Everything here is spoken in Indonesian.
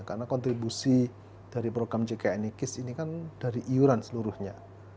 karena kontribusi dari program ckni kis ini kan dari iuran seluruhnya